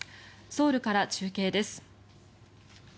ソウルから中継です。